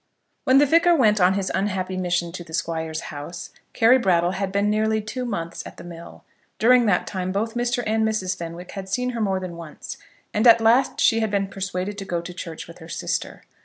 When the Vicar went on his unhappy mission to the Squire's house Carry Brattle had been nearly two months at the mill. During that time both Mr. and Mrs. Fenwick had seen her more than once, and at last she had been persuaded to go to church with her sister.